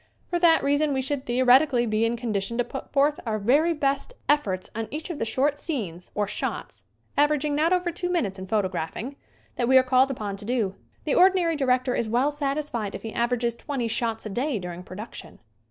For that reason we should theoreti cally be in condition to put forth our very best efforts on each of the short scenes or "shots" averaging not over two minutes in photo graphing that we are called upon to do. The ordinary director is well satisfied if he aver ages twenty "shots" a day during production.